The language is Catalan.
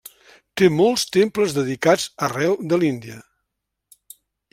Té molts temples dedicats arreu de l'Índia.